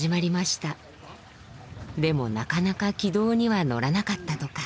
でもなかなか軌道には乗らなかったとか。